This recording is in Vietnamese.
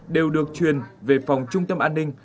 đều được truyền về phòng trung tâm an ninh